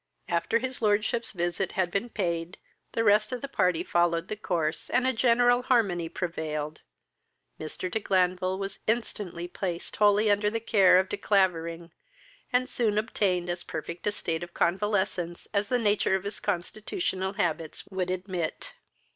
After his lordship's visit had been paid, the rest of the party followed of course, and a general harmony prevailed. Mr. de Glanville was instantly placed wholly under the care of De Clavering, and soon obtained as perfect a state of convalescence as the nature of his constitutional habits would admit.